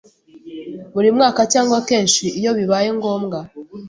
buri mwaka cyangwa kenshi iyo bibaye ngombwa